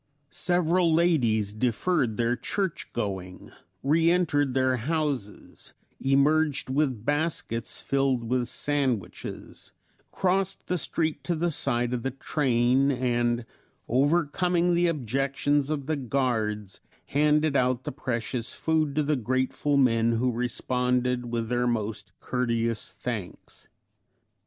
Several ladies deferred their church going, re entered their houses, emerged with baskets filled with sandwiches, crossed the street to the side of the train and, overcoming the objections of the guards, handed out the precious food to the grateful men, who responded with their most courteous thanks.